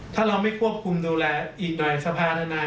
ถ้าเราไม่ควบคุมดูแลอีกหน่อยสภาธนา